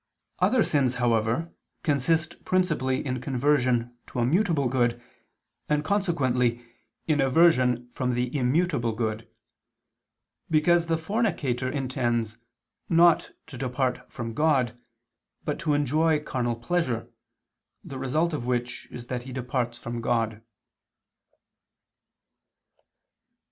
Other sins, however, consist principally in conversion to a mutable good, and, consequently, in aversion from the immutable good: because the fornicator intends, not to depart from God, but to enjoy carnal pleasure, the result of which is that he departs from God.